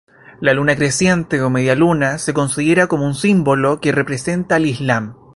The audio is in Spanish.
La luna creciente o medialuna se considera como un símbolo que representa al Islam.